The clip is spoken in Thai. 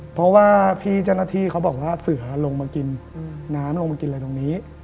เพราะว่าพี่เจ้าหน้าที่เขาบอกว่าเสือลงมากินน้ำลงมากินอะไรตรงนี้